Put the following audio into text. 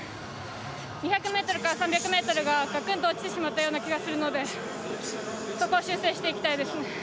２００ｍから３００ｍががくんと落ちてしまったような気がするのでそこを修正していきたいですね。